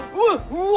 うわ！